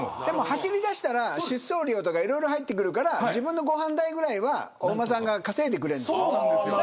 走り出したら出走料とかいろいろ入ってくるから自分のご飯代ぐらいはお馬さんが稼いでくれるの。